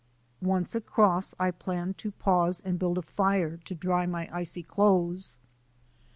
Once across I planned to pause and build a fire to dry my icy clothes.